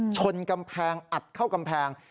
ชนกำแพงอัดเข้ากำแพง